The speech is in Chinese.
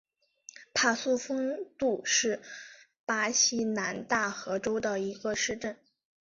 帕苏丰杜是巴西南大河州的一个市镇。